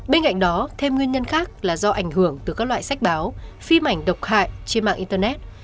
bên cạnh đó thêm nguyên nhân khác là do ảnh hưởng từ các loại sách báo phim ảnh độc hại trên mạng internet